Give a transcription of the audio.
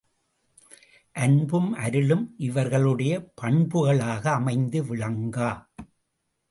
அன்பும் அருளும் இவர்களுடைய பண்புகளாக அமைந்து விளங்கா.